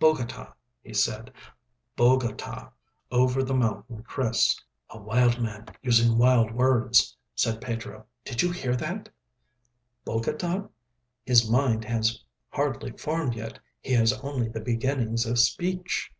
"Bogota," he said. "Bogota. Over the mountain crests." "A wild man—using wild words," said Pedro. "Did you hear that— "Bogota? His mind has hardly formed yet. He has only the beginnings of speech."